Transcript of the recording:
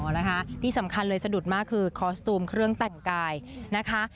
นะคะที่สำคัญเลยสะดุดมากคือคอสตูมเครื่องแต่งกายนะคะ